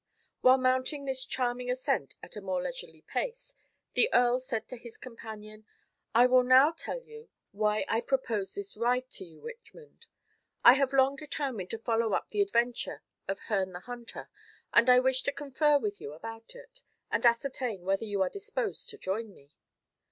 While mounting this charming ascent at a more leisurely pace, the earl said to his companion, "I will now tell you why I proposed this ride to you, Richmond. I have long determined to follow up the adventure of Herne the Hunter, and I wish to confer with you about it, and ascertain whether you are disposed to join me."